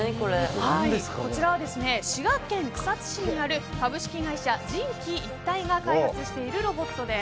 こちらは滋賀県草津市にある株式会社人機一体が開発しているロボットです。